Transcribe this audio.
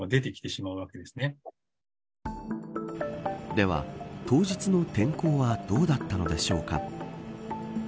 では、当日の天候はどうだったのでしょうか。